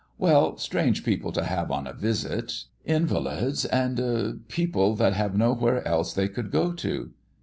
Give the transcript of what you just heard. "Well; strange people to have on a visit. Invalids and people that have nowhere else they could go to."